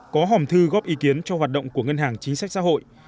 có hòm thư góp ý kiến cho hoạt động của ngân hàng chính sách xã hội